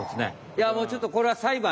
いやもうちょっとこれは裁判？